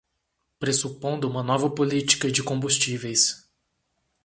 Pressupondo uma nova política de combustíveis